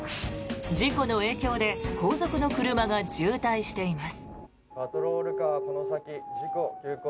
事故の影響で後続の車が渋滞しています。